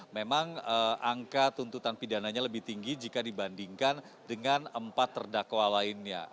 memang angka tuntutan pidananya lebih tinggi jika dibandingkan dengan empat terdakwa lainnya